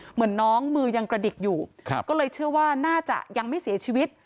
เหมือนน้องมือยังกระดิกอยู่ก็เลยเชื่อว่าน่าจะยังไม่เสียชีวิต